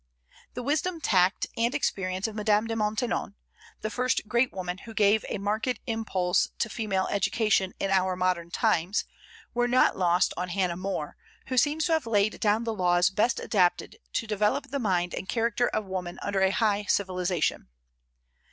The wisdom, tact, and experience of Madame de Maintenon the first great woman who gave a marked impulse to female education in our modern times were not lost on Hannah More, who seems to have laid down the laws best adapted to develop the mind and character of woman under a high civilization.